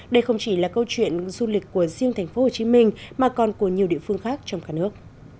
đây không chỉ là câu chuyện du lịch của riêng thành phố hồ chí minh mà còn của nhiều địa phương khác trong cả nước